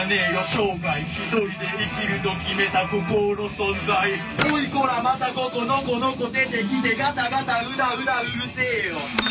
生涯一人で生きると決めた孤高の存在オイこらまたここノコノコ出てきてガタガタウダウダうるせえよ